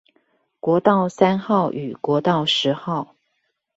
國道三號與國道十號